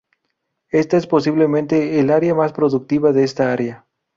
Esta es posiblemente el área más productiva de esta área.